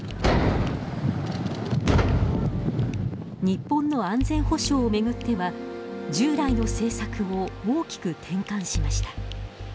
日本の安全保障を巡っては従来の政策を大きく転換しました。